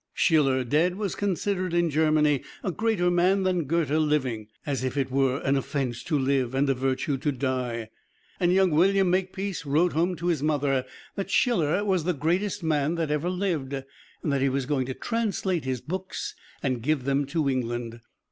Schiller dead was considered in Germany a greater man than Goethe living, as if it were an offense to live and a virtue to die. And young William Makepeace wrote home to his mother that Schiller was the greatest man that ever lived and that he was going to translate his books and give them to England.